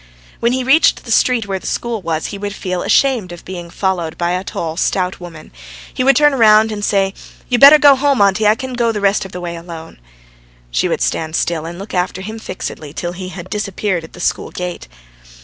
When he reached the street where the school was, he would feel ashamed of being followed by a tall, stout woman, he would turn round and say: "You'd better go home, auntie. I can go the rest of the way alone." She would stand still and look after him fixedly till he had disappeared at the school gate.